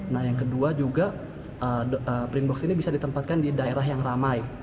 nah yang kedua juga print box ini bisa ditempatkan di daerah yang ramai